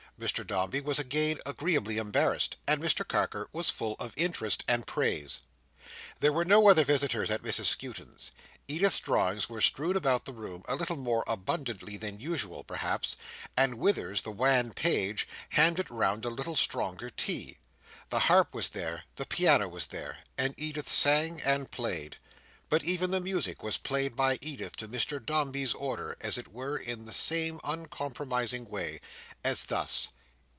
Mr Dombey was again agreeably embarrassed. And Mr Carker was full of interest and praise. There were no other visitors at Mrs Skewton's. Edith's drawings were strewn about the room, a little more abundantly than usual perhaps; and Withers, the wan page, handed round a little stronger tea. The harp was there; the piano was there; and Edith sang and played. But even the music was played by Edith to Mr Dombey's order, as it were, in the same uncompromising way. As thus.